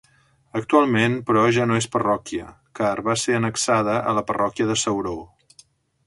Actualment, però ja no és parròquia, car va ser annexada a la parròquia de Ceuró.